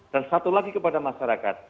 dan satu lagi kepada masyarakat